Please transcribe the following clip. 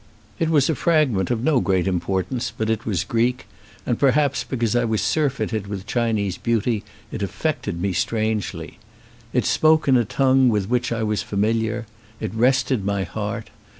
It was a fragment of no great impor 208 THE F1AGHENT tance, but it was Greek, and perhaps because I was surfeited with Chinese beauty it affected me strangely. It spoke in a tongue with which I was familiar. It rested my heart.